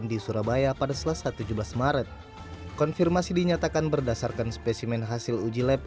di surabaya pada selasa tujuh belas maret konfirmasi dinyatakan berdasarkan spesimen hasil uji lab